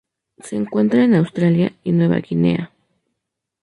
Se encuentra en Australia y Nueva Guinea.